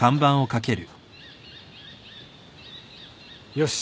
よし。